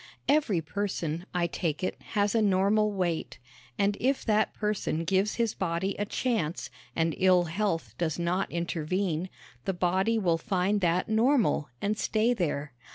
Every person, I take it, has a normal weight; and if that person gives his body a chance, and ill health does not intervene, the body will find that normal and stay there.